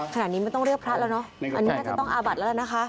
ขนาดนี้ไม่ต้องเลือกพระแล้วเนอะอันนี้น่าจะต้องอาบัดแล้วนะคะ